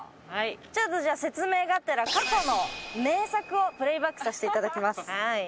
ちょっとじゃあ説明がてら過去の名作をプレイバックさせていただきます。